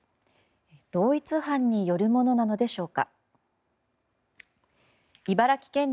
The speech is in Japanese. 同一犯によるものなのでしょうか。